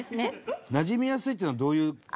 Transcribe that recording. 「なじみやすい」っていうのはどういう事？